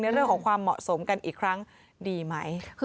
เรื่องของความเหมาะสมกันอีกครั้งดีไหม